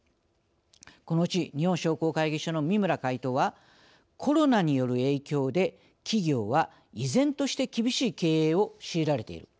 このうち日本商工会議所の三村会頭はコロナによる影響で企業は依然として厳しい経営を強いられている。